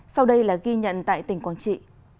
sau đây là ghi nhận tại tỉnh quang trị